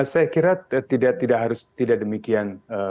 saya kira tidak harus tidak demikian